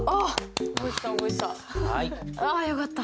あよかった。